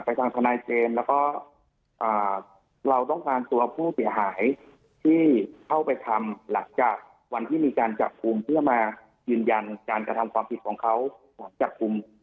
ไปทางธรรมนายเจนแล้วก็อ่าเราต้องการตัวผู้เสียหายที่เข้าไปทำหลักจากวันที่มีการจัดคุมเพื่อมายืนยันการกระทำความผิดของเขาจัดคุม